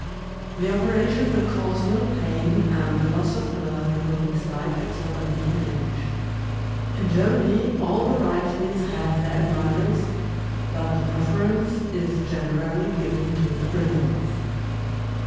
The operation will cause little pain, and the loss of blood will be slight at so early an age. In Germany, all varieties have their admirers, but the preference is generally given to the brindles.